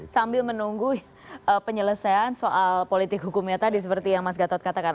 sambil menunggu penyelesaian soal politik hukumnya tadi seperti yang mas gatot katakan